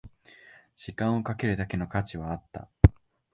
時間をかけるだけの価値はあった